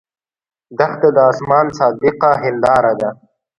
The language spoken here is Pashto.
دښته د آسمان صادقه هنداره ده.